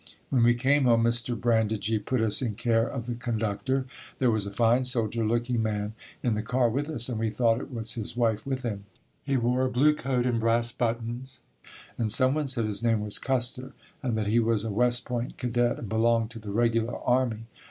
When we came home Mr. Brandigee put us in care of the conductor. There was a fine soldier looking man in the car with us and we thought it was his wife with him. He wore a blue coat and brass buttons, and some one said his name was Custer and that he was a West Point cadet and belonged to the regular army.